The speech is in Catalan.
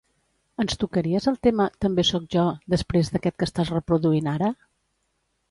Ens tocaries el tema "També sóc jo" després d'aquest que estàs reproduint ara?